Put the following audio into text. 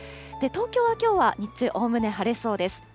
東京はきょうは日中、おおむね晴れそうです。